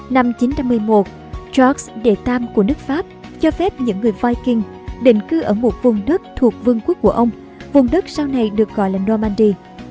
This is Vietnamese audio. năm chín trăm một mươi một charles iii của nước pháp cho phép những người viking định cư ở một vùng đất thuộc vương quốc của ông vùng đất sau này được gọi là normandy